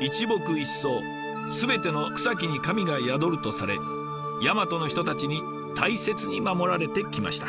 一木一草すべての草木に神が宿るとされやまとの人たちに大切に守られてきました。